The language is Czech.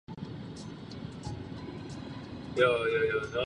Myslím, že bychom neměli zapomínat na Balkánský poloostrov.